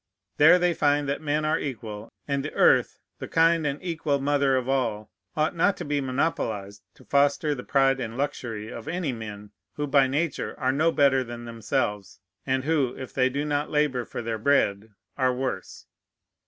There they find that men are equal; and the earth, the kind and equal mother of all, ought not to be monopolized to foster the pride and luxury of any men, who by nature are no better than themselves, and who, if they do not labor for their bread, are worse.